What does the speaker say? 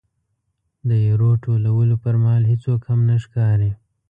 د ایرو ټولولو پرمهال هېڅوک هم نه ښکاري.